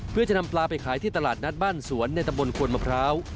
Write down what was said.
เพื่อจะนำปลาไปขายที่ตลาดนัดบ้านสวนในตำบลขวนมะพร้าว